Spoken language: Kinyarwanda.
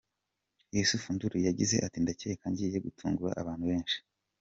Youssou Ndour yagize ati :« Ndakeka ngiye gutungura abantu benshi.